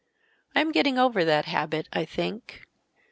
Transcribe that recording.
I am getting over that habit, I think.